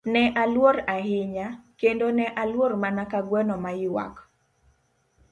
Ne aluor ahinya, kendo ne aluor mana ka gweno ma ywak.